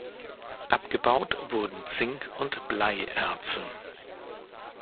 Abgebaut wurden Zink- und Bleierze.